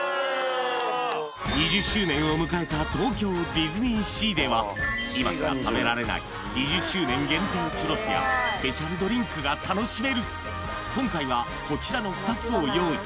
２０周年を迎えた東京ディズニーシーでは今しか食べられないスペシャルドリンクが楽しめる今回はこちらの２つを用意